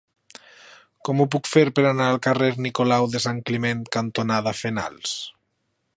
Com ho puc fer per anar al carrer Nicolau de Sant Climent cantonada Fenals?